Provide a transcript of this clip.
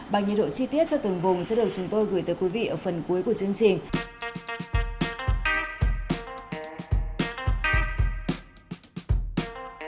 bằng nhiệt độ chi tiết cho từng vùng sẽ được chúng tôi gửi tới quý vị ở phần cuối của chương trình